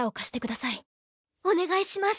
お願いします